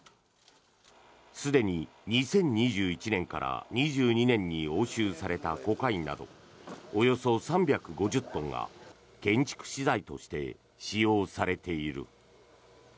すでに２０２１年から２２年に押収されたコカインなどおよそ３５０トンが建築資材として使用されている。